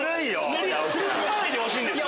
すり込まないでほしいんですよ。